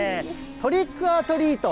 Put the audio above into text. トリック・オア・トリート。